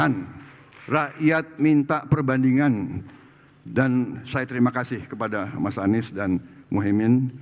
terima kasih rakyat minta perbandingan dan saya terima kasih kepada mas anies dan muhyiddin